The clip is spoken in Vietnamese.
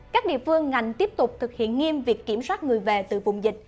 các địa phương ngành tiếp tục thực hiện nghiêm việc kiểm soát người về từ vùng dịch